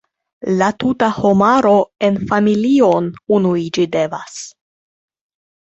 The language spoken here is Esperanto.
La tuta homaro en familion unuiĝi devas.